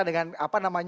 dengan latar halte yang